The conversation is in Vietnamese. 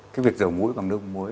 cái việc rửa mũi bằng nước mũi